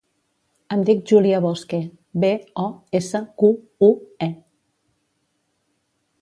Em dic Júlia Bosque: be, o, essa, cu, u, e.